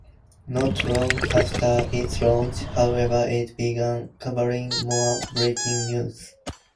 Not long after its launch, however, it began covering more breaking news.